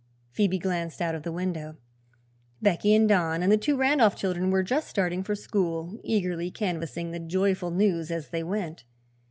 Phoebe glanced out of the window. Becky and Don and the two Randolph children were just starting for school, eagerly canvassing the joyful news as they went.